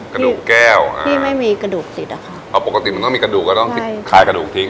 กระดูกแก้วที่ไม่มีกระดูกติดอะค่ะเอาปกติมันต้องมีกระดูกก็ต้องติดคายกระดูกทิ้ง